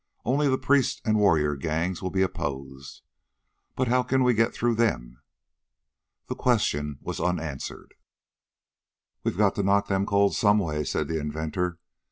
Only the priests and warrior gangs will be opposed. But how can we get through them?" The question was unanswered. "We've got to knock them cold some way," said the inventor.